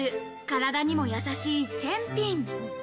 体にもやさしいチェンピン。